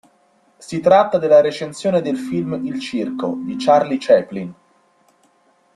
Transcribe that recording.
Si tratta della recensione del film "Il Circo" di Charlie Chaplin.